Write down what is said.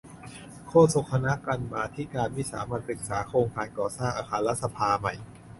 โฆษกคณะกรรมาธิการวิสามัญ ศึกษาโครงการก่อสร้างอาคารรัฐสภาใหม่